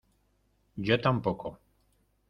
yo tampoco.